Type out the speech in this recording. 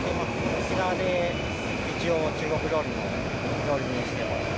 沖縄で一応、中国料理の料理人をしています。